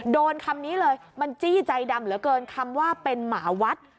โดนคำนี้เลยมันจี้ใจดำเหลือเกินคำว่าเป็นหมาวัด